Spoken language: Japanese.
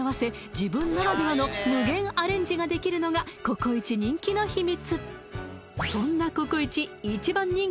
自分ならではの無限アレンジができるのがココイチ人気の秘密